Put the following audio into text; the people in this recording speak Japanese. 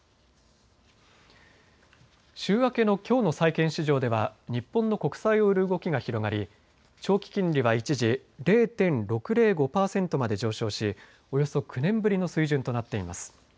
週明けのきょうの債券市場では日本の国債を売る動きが広がり長期金利は一時０．６０５％まで上昇しおよそ９年ぶりの水準となっています。